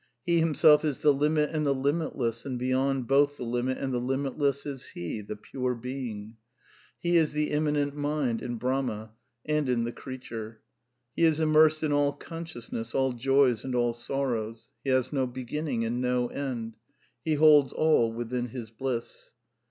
He Himself is the limit and the limitless, and beyond both the limit and the limitless is He, the Pure Being. He is the Immanent Mind in Brahma and in the creature." (vn.) ''He is immersed in all consciousness, all joys and all sorrows ;^xJ He has no beginning and no end; ^ He holds all within his bliss."